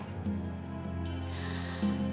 tapi kalau kita berdua ya udah